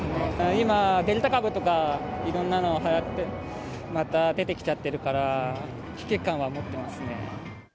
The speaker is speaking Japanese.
今、デルタ株とかいろんなはやって、また出てきちゃってるから、危機感は持ってますね。